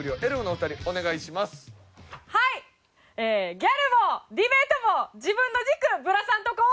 ギャルもディベートも自分の軸ぶらさんとこ！